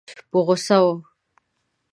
په غوسه وه.